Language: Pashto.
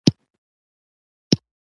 په دغو توهماتو کې یوه دا هم ده.